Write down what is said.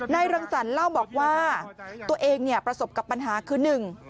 รังสรรค์เล่าบอกว่าตัวเองเนี่ยประสบกับปัญหาคือหนึ่ง